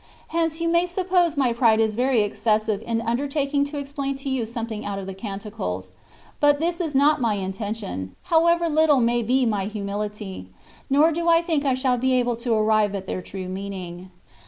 Hence, you may suppose my pride is very excessive in undertaking to explain to you something out of the " Canti cles /^ but this is not my intention (however little may be my humihty), nor do I think I shall be able to arrive at their true meaning.